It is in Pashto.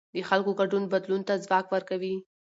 د خلکو ګډون بدلون ته ځواک ورکوي